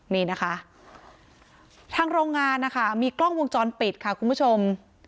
นี่นะคะทางโรงงานนะคะมีกล้องวงจรปิดค่ะคุณผู้ชม